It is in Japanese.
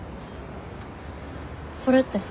それってさ。